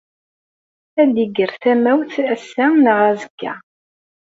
Ad d-iger tamawt ass-a neɣ azekka.